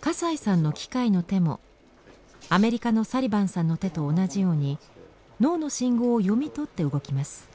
笠井さんの機械の手もアメリカのサリバンさんの手と同じように脳の信号を読み取って動きます。